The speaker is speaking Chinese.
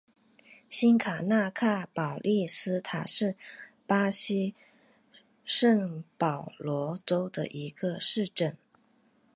新卡纳昂保利斯塔是巴西圣保罗州的一个市镇。